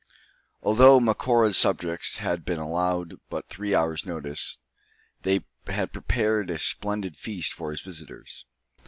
Although Macora's subjects had been allowed but three hours' notice, they had prepared a splendid feast for his visitors.